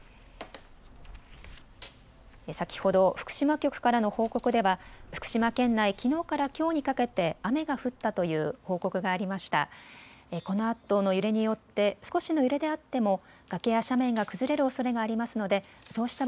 先ほど福島局からの報告では福島県内、きのうからきょうにかけて雨が降ったという報告がありました。